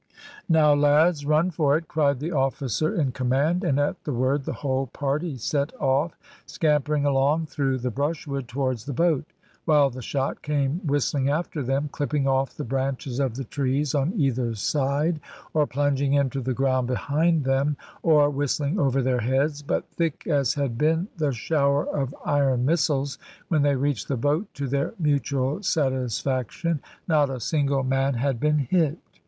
"Now, lads, run for it!" cried the officer in command; and at the word the whole party set off, scampering along through the brushwood towards the boat, while the shot came whistling after them, clipping off the branches of the trees on either side, or plunging into the ground behind them, or whistling over their heads; but thick as had been the shower of iron missiles, when they reached the boat, to their mutual satisfaction, not a single man had been hit.